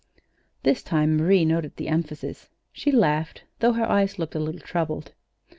This time Marie noticed the emphasis. She laughed, though her eyes looked a little troubled.